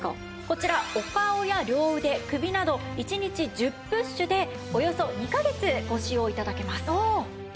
こちらお顔や両腕首など１日１０プッシュでおよそ２カ月ご使用頂けます。